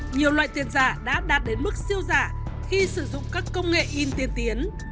nhiều loại tiền giả đã đạt đến mức siêu giả khi sử dụng các công nghệ in tiên tiến